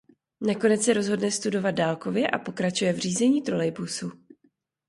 Nakonec se rozhodne studovat dálkově a pokračuje v řízení trolejbusu.